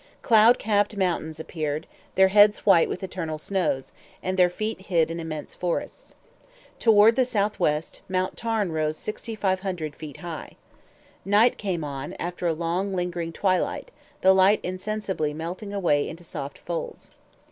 Cloud capped mountains appeared, their heads white with eternal snows, and their feet hid in immense forests. Toward the southwest, Mount Tarn rose 6,500 feet high. Night came on after a long lingering twilight, the light insensibly melting away into soft shades.